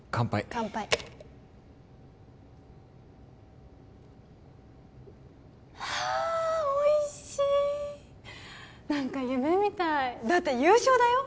乾杯はーおいしい何か夢みたいだって優勝だよ？